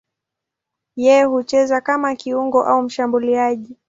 Yeye hucheza kama kiungo au mshambuliaji.